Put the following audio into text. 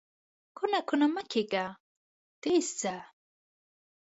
کونه کونه مه کېږه، تېز ځه!